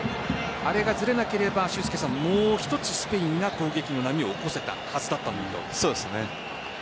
あれがずれなければもう一つスペインが攻撃の波を起こせたはずだったそうですね。